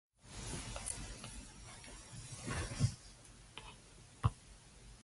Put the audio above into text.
如果我寫核突嘢會唔會比人和諧